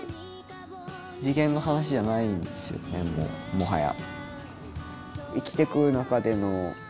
もはや。